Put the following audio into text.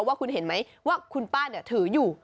ว่าคุณเห็นไหมว่าคุณป้าถืออยู่